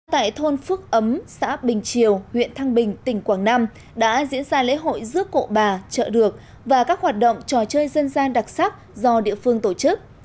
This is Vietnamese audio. tại thôn phước ấm xã bình triều huyện thăng bình tỉnh quảng nam đã diễn ra lễ hội rước cộ bà chợ được và các hoạt động trò chơi dân gian đặc sắc do địa phương tổ chức